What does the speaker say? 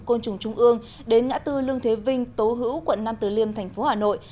côn trùng trung ương đến ngã tư lương thế vinh tố hữu quận năm từ liêm thành phố hà nội